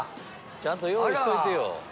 ちゃんと用意しといてよ。